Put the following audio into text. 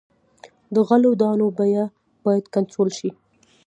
د غلو دانو بیه باید کنټرول شي.